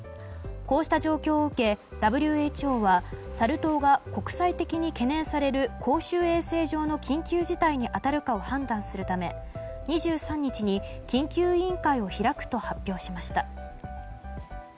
こうした状況を受け、ＷＨＯはサル痘が国際的に懸念される公衆衛生上の緊急事態に当たるかを判断するため２３日に緊急委員会を開くと発表しました。